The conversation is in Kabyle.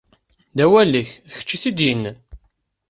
D awal-ik, d kečč i t-id-yennan.